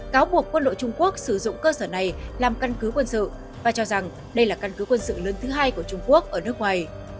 cáo buộc quân đội trung quốc sử dụng cơ sở này làm căn cứ quân sự và cho rằng đây là căn cứ quân sự lớn thứ hai của trung quốc ở nước ngoài